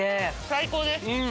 最高です！